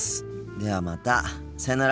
ではまたさよなら。